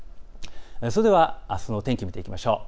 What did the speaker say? それではあすの天気を見ていきましょう。